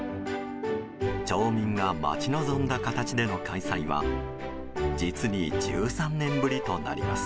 町民が待ち望んだ形での開催は実に１３年ぶりとなります。